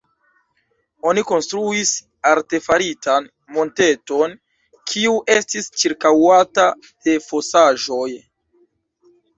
Oni konstruis artefaritan monteton, kiu estis ĉirkaŭata de fosaĵoj.